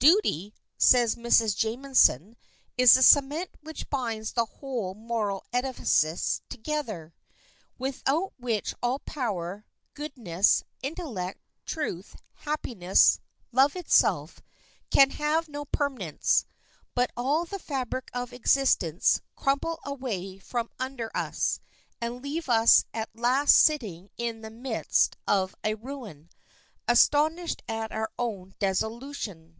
"Duty," says Mrs. Jameson, "is the cement which binds the whole moral edifice together, without which all power, goodness, intellect, truth, happiness, love itself, can have no permanence, but all the fabric of existence crumble away from under us, and leave us at last sitting in the midst of a ruin, astonished at our own desolation."